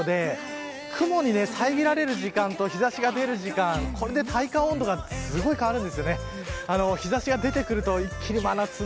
昨日よりも雲が多いので雲に遮られる時間と日差しが出る時間これで体感温度がすごく変わります。